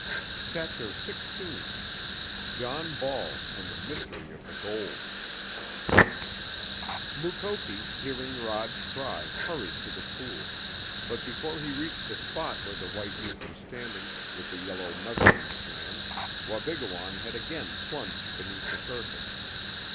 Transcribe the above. CHAPTER XVI JOHN BALL AND THE MYSTERY OF THE GOLD Mukoki, hearing Rod's cry, hurried to the pool, but before he reached the spot where the white youth was standing with the yellow nugget in his hand Wabigoon had again plunged beneath the surface.